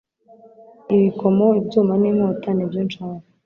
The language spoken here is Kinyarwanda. ibikomo, ibyuma n'inkota nibyo nshaka